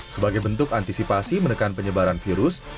sebagai bentuk antisipasi menekan penyebaran virus